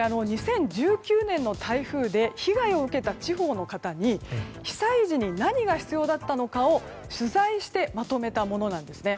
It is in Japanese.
２０１９年の台風で被害を受けた地方の方に被災時に何が必要だったのかを取材してまとめたものです。